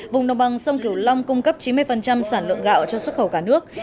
vùng đồng bằng sông kiều long cung cấp chín mươi sản lượng gạo cho xuất khẩu cả nước